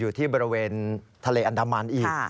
อยู่ที่บริเวณทะเลอันดามันอีก